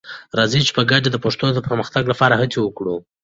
راځئ چې په ګډه د پښتو د پرمختګ لپاره هڅې وکړو.